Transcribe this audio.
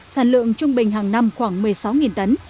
sản lượng trung bình hàng năm khoảng một mươi sáu tấn